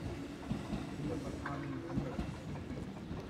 He was a founding member of it.